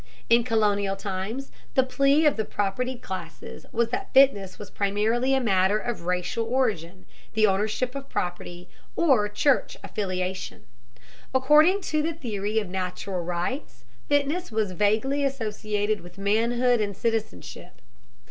In colonial times the plea of the propertied classes was that fitness was primarily a matter of racial origin, the ownership of property, or church affiliation. According to the theory of natural rights, fitness was vaguely associated with manhood and citizenship.